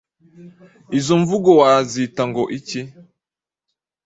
Izo mvugo wazita ngo iki?